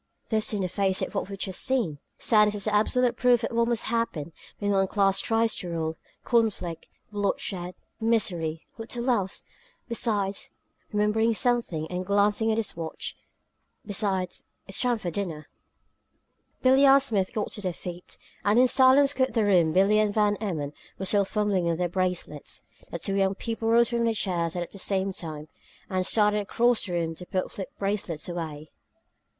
This, in the face of what we've just seen! Sanus is absolute proof of what must happen when one class tries to rule; conflict, bloodshed, misery little else! Besides" remembering something, and glancing at his watch "besides, it's time for dinner." Billie and Smith got to their feet, and in silence quit the room Billie and Van Emmon were still fumbling with their bracelets. The two young people rose from the chairs at the same time and started across the room to put flip bracelets away.